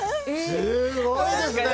すごいですね！